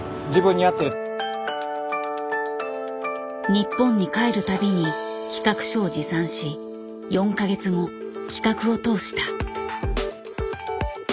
日本に帰る度に企画書を持参し４か月後企画を通した。